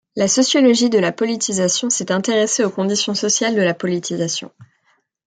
La sociologie de la politisation s'est intéressée aux conditions sociales de la politisation.